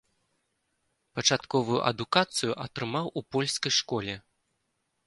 Пачатковую адукацыю атрымаў у польскай школе.